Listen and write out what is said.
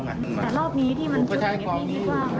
แต่รอบนี้ที่มันคืออย่างนี้ดีกว่ามันเป็นกล้อย